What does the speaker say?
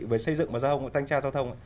với xây dựng và gia hông và thanh tra giao thông